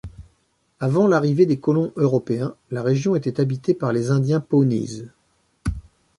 Avant l'arrivée des colons européens, la région était habitée par les Indiens Pawnees.